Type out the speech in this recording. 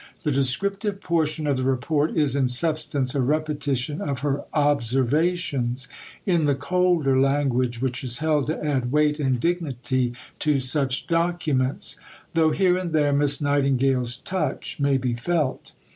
The descriptive portion of the Report is in substance a repetition of her "Observations," in the colder language which is held to add weight and dignity to such documents; though here and there Miss Nightingale's touch may be felt.